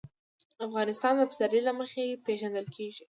افغانستان د پسرلی له مخې پېژندل کېږي.